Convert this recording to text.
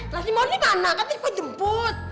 lah ini moni mana kan tipe jemput